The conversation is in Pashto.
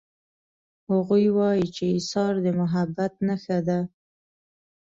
هغوی وایي چې ایثار د محبت نښه ده